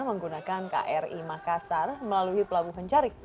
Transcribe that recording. menggunakan kri makassar melalui pelabuhan carik